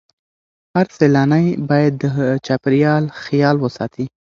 هر سیلانی باید د چاپیریال خیال وساتي.